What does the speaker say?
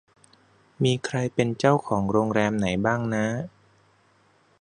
มีใครเป็นเจ้าของโรงแรมไหนบ้างน้า